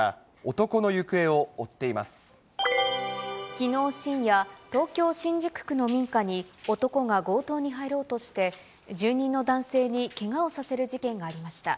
きのう深夜、東京・新宿区の民家に男が強盗に入ろうとして、住人の男性にけがをさせる事件がありました。